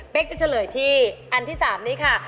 เป็นจะเฉลยที่อันที่๓นี้ค่ะ